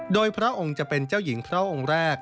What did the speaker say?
โดยพระองค์จะเป็นเจ้าหญิงพระองค์แรก